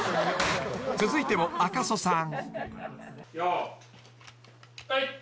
［続いても赤楚さん］